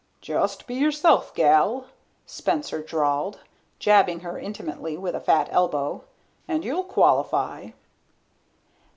"Just be yourself, gal," Spencer drawled, jabbing her intimately with a fat elbow, "and you'll qualify."